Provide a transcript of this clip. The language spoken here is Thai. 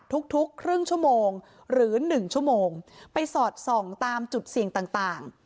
ทุกทุกครึ่งชั่วโมงหรือ๑ชั่วโมงไปสอดส่องตามจุดเสี่ยงต่าง